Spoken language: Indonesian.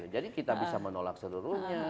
jadi kita bisa menolak seluruhnya